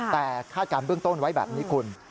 แต่คาดการณ์เบื้องต้นไว้แบบนี้คุณ